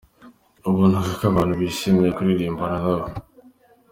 Wabonaga ko abantu bishimye kuririmbana nawe.